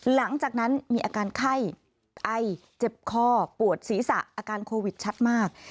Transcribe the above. หลังจากนั้นมีอาการไข้ไอเจ็บคอปวดศีรษะอาการโควิดชัดมาก